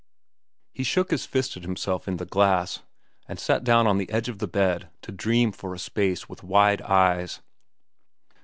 He shook his fist at himself in the glass, and sat down on the edge of the bed to dream for a space with wide eyes.